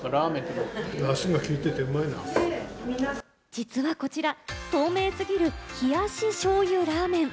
実はこちら、透明すぎる冷やし醤油ラーメン。